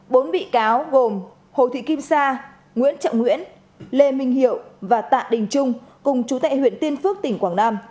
bốn bị cáo gồm hồ thị kim sa nguyễn trọng nguyễn lê minh hiệu và tạ đình trung cùng chú tại huyện tiên phước tỉnh quảng nam